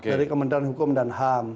dari kementerian hukum dan ham